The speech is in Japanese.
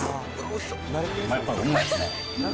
うまいですね。